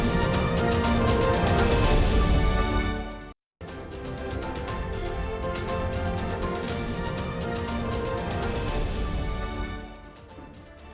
keresahan ferdinand huta heian